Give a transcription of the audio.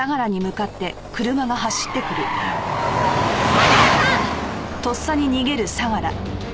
相良さん！